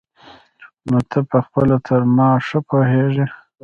نو ته پخپله تر ما ښه پوهېږي.